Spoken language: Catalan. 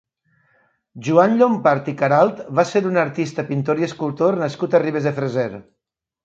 Joan Llompart i Caralt va ser un artista, pintor i escultor nascut a Ribes de Freser.